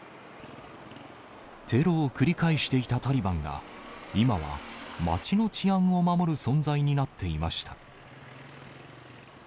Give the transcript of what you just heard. テロを繰り返してきたタリバンが、今は街の治安を守る存在になっていました。